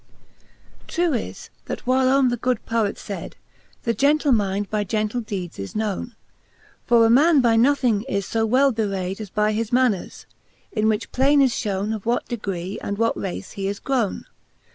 TRUE Is, that whilome that good Poet fayd, The gentle minde by gentle deeds is knowne. For a man by nothing is ib well bewrayd^ As by his manners, in which plaine is fhowne Of what degree and what race he is growne.